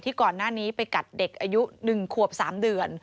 ก่อนหน้านี้ไปกัดเด็กอายุ๑ขวบ๓เดือน